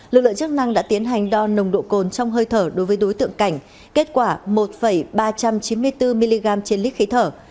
lực lượng chức năng đã tiến hành đo nồng độ cồn trong hơi thở đối với đối tượng cảnh kết quả một ba trăm chín mươi bốn mg trên lít khí thở